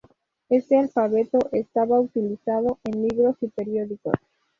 Este alfabeto estaba utilizado en libros y periódicos.